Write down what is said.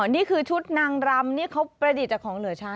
นี่คือชุดนางรำนี่เขาประดิษฐ์จากของเหลือช้า